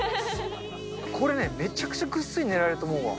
これね、めちゃくちゃぐっすり寝られると思うわ。